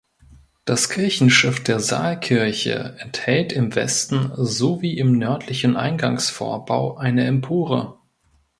Das Kirchenschiff der Saalkirche enthält im Westen sowie im nördlichen Eingangsvorbau eine Empore.